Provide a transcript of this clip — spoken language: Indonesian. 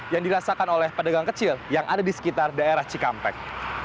yang dirasakan oleh pedagang kecil yang ada di sekitar daerah cikampek